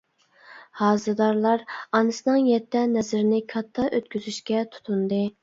ھازىدارلار ئانىسىنىڭ يەتتە نەزىرىنى كاتتا ئۆتكۈزۈشكە تۇتۇندى.